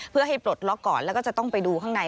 เพื่อให้ปลดล็อกก่อนแล้วก็จะต้องไปดูข้างใน